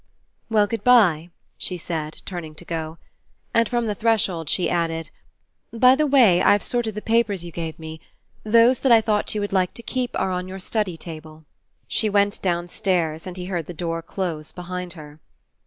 "Well, good by," she said, turning to go; and from the threshold she added: "By the way, I've sorted the papers you gave me. Those that I thought you would like to keep are on your study table." She went downstairs and he heard the door close behind her.